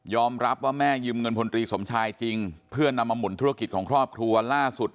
รับว่าแม่ยืมเงินพลตรีสมชายจริงเพื่อนำมาหมุนธุรกิจของครอบครัวล่าสุด